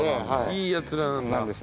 いいやつらなんだ。